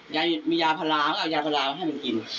ยายมียาภาราก็เอายาภาราให้มันกิน